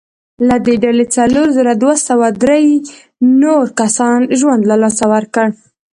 له دې ډلې څلور زره دوه سوه درې نوي کسانو ژوند له لاسه ورکړ.